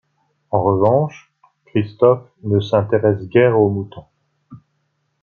En revanche, Christophe ne s'intéresse guère aux moutons.